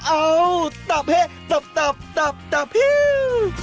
เอ้าตับเฮ้ตับตับฮิ้ว